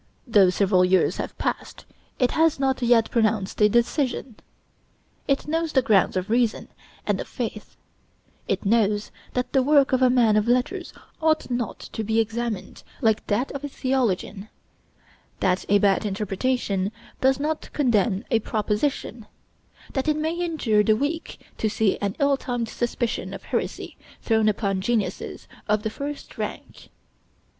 Though several years have passed, it has not yet pronounced a decision. It knows the grounds of reason and of faith; it knows that the work of a man of letters ought not to be examined like that of a theologian; that a bad interpretation does not condemn a proposition, and that it may injure the weak to see an ill timed suspicion of heresy thrown upon geniuses of the first rank.